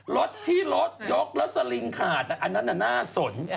รถที่รถยกแล้วสลิงขาดอันนั้นน่ะน่าสน